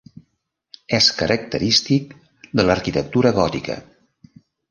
És característic de l'arquitectura gòtica.